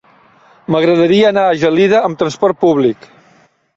M'agradaria anar a Gelida amb trasport públic.